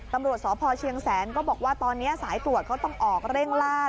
ตำรวจสพเชียงแสนก็บอกว่าตอนนี้สายตรวจเขาต้องออกเร่งล่า